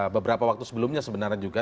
beberapa waktu sebelumnya sebenarnya juga